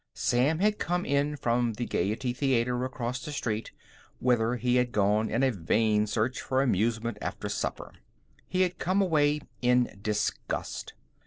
Sam had just come in from the Gayety Theater across the street, whither he had gone in a vain search for amusement after supper. He had come away in disgust.